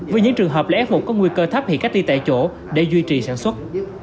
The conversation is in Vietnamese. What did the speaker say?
với những trường hợp lẽ hụt có nguy cơ thấp thì cách đi tại chỗ để duy trì sản xuất